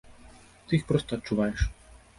Ты іх проста адчуваеш.